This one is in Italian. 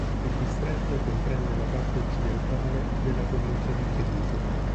Il distretto comprende la parte occidentale della provincia di Treviso.